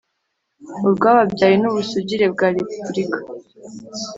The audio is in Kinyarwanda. urwababyaye n'ubusugire bwa repubulika.